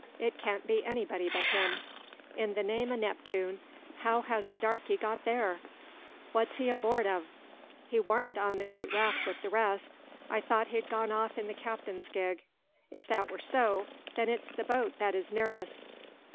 It can't be anybody but him. In the name o' Neptune how has the darkey got there? What's he aboard o'? He warn't on the great raft wi' the rest. I thought he'd gone off in the captain's gig. If that wur so, then it's the boat that is near us."